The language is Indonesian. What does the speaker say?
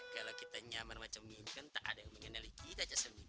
kalau kita nyaman macam ini kan tak ada yang mengenali kita saja